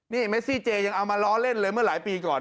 นี่เมซี่เจยังเอามาล้อเล่นเลยเมื่อหลายปีก่อน